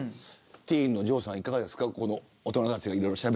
ティーンの城さんはいかがですか。